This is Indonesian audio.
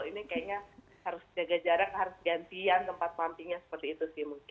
ini kayaknya harus jaga jarak harus gantian tempat pumpingnya seperti itu sih mungkin